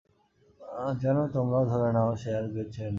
যেন তোমরাও ধরে নাও যে সে আর বেঁচে নেই।